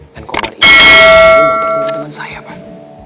dan kobar itu motor temen temen saya pak